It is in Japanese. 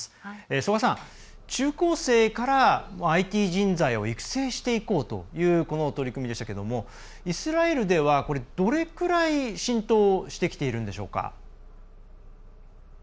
曽我さん、中高生からＩＴ人材を育成していこうというこの取り組みでしたけどイスラエルではどれくらい浸透してきているんでしょうか。